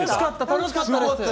楽しかったです。